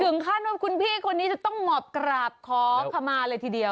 ถึงขั้นว่าคุณพี่คนนี้จะต้องหมอบกราบขอขมาเลยทีเดียว